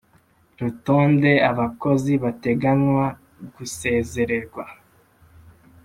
Rutonde abakozi bateganywa gusezererwa